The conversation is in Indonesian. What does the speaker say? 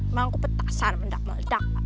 emang aku petasan meledak ledak